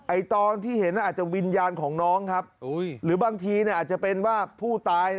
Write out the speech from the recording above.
ตอนที่เห็นอาจจะวิญญาณของน้องครับหรือบางทีเนี่ยอาจจะเป็นว่าผู้ตาย